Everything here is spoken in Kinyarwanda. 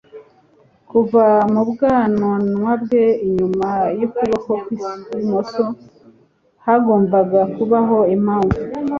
kuva mu bwanwa bwe inyuma yukuboko kwi bumoso. hagomba kubaho impamvu